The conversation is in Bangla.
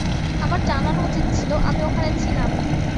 আমার জানানো উচিত ছিল, আমি ওখানে ছিলাম।